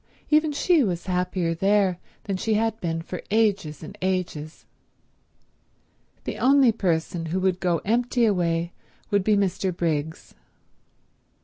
Even she was happier there than she had been for ages and ages. The only person who would go empty away would be Mr. Briggs.